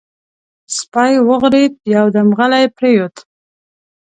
سپی وغرېد، يودم غلی پرېووت.